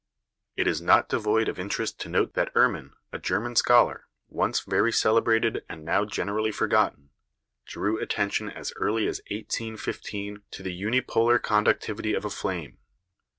It is not devoid of interest to note that Erman, a German scholar, once very celebrated and now generally forgotten, drew attention as early as 1815 to the unipolar conductivity of a flame.